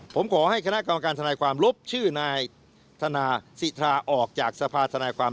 ผมขอให้คณะกรรมการทนายความลบชื่อนายธนาสิทธาออกจากสภาธนาความ